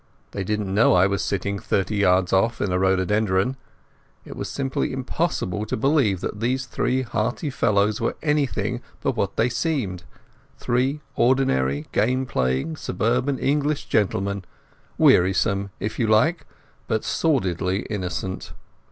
They didn't know I was sitting thirty yards off in a rhododendron. It was simply impossible to believe that these three hearty fellows were anything but what they seemed—three ordinary, game playing, suburban Englishmen, wearisome, if you like, but sordidly innocent.